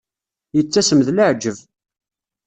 Yettasem d leεǧeb.